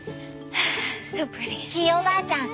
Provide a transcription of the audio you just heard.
ひいおばあちゃん